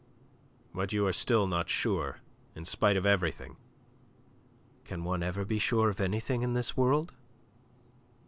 "But you are still not sure in spite of everything." "Can one ever be sure of anything in this world?"